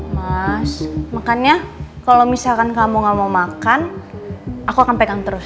mas makanya kalau misalkan kamu gak mau makan aku akan pegang terus